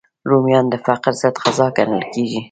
رومیان د فقر ضد غذا ګڼل کېږي